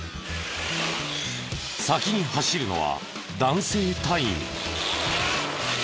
先に走るのは男性隊員。